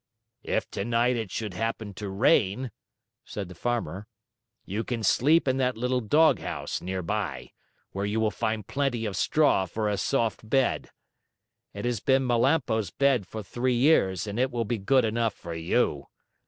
"If tonight it should happen to rain," said the Farmer, "you can sleep in that little doghouse near by, where you will find plenty of straw for a soft bed. It has been Melampo's bed for three years, and it will be good enough for you.